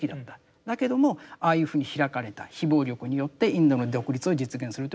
だけどもああいうふうに開かれた非暴力によってインドの独立を実現するということがあった。